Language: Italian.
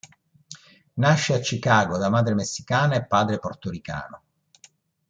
Nasce a Chicago da madre messicana e padre portoricano.